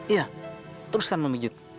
iya teruskan memijut